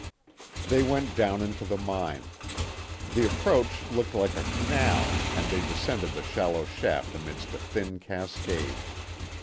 They went down into the mine. The approach looked like a canal, and they descended the shallow shaft amidst a thin cascade.